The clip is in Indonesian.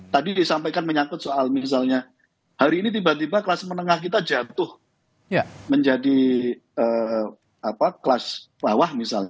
tadi disampaikan menyangkut soal misalnya hari ini tiba tiba kelas menengah kita jatuh menjadi kelas bawah misalnya